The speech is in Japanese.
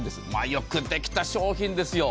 よくできた商品ですよ。